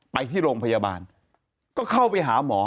ไปที่โรงพยาบาลก็เข้าไปหาหมอ